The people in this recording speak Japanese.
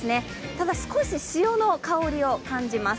ただ、少し潮の香りを感じます。